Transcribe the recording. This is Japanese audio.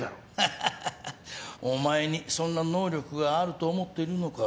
ハハハハお前にそんな能力があると思っているのか？